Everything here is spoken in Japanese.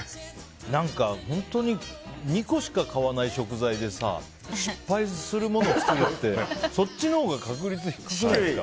何か、本当に２個しか買わない食材でさ失敗するものを作るってそっちのほうが確率低くないですか。